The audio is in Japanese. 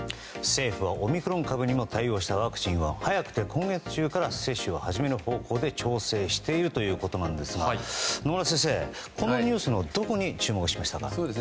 政府はオミクロン株にも対応したワクチンを早くて今月中から接種を始める方向で調整しているということですが野村先生、このニュースのどこに注目しましたか？